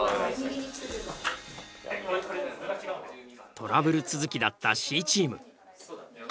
トラブル続きだったＣチーム。